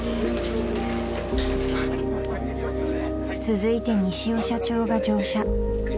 ［続いて西尾社長が乗車］